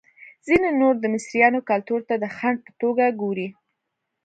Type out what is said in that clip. ځینې نور د مصریانو کلتور ته د خنډ په توګه ګوري.